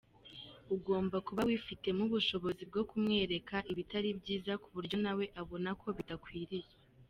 Ugomba kuba wifitemo ubushobozi bwo kumwereka ibitari byiza ku buryo nawe abona ko bidakwiriye.